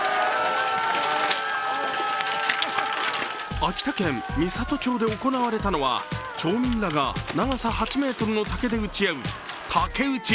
秋田県美郷町で行われたのは、町民らが長さ８ｍの竹で打ち合う竹うち。